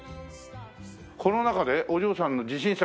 この中でお嬢さんの自信作